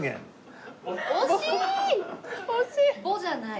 惜しい！